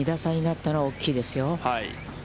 この２打差になったの、大きいですよ。